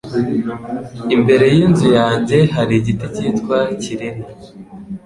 Imbere yinzu yanjye hari igiti cyitwa kireri.